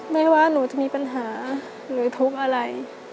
ไม่ว่าหนูจะมีปัญหาหรือทุกข์อะไร